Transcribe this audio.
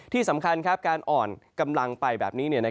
ที่สำคัญการอ่อนกำลังไปแบบนี้